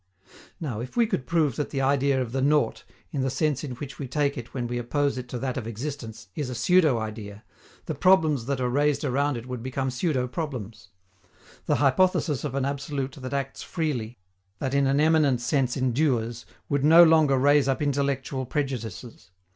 Now, if we could prove that the idea of the nought, in the sense in which we take it when we oppose it to that of existence, is a pseudo idea, the problems that are raised around it would become pseudo problems. The hypothesis of an absolute that acts freely, that in an eminent sense endures, would no longer raise up intellectual prejudices.